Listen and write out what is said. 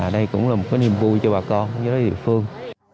đây cũng là một cái niềm vui cho bà con cho đối với địa phương